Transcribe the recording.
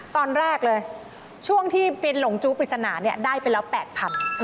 ตอนแรกเลยช่วงที่เป็นหลงจู้ปริศนาเนี่ยได้ไปแล้ว๘๐๐บาท